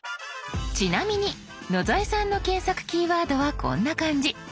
ちなみに野添さんの検索キーワードはこんな感じ。